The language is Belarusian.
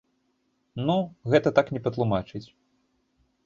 Ну, гэта так не патлумачыць.